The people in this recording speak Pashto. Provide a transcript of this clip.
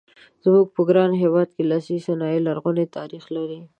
زموږ په ګران هېواد کې لاسي صنایع لرغونی تاریخ لري.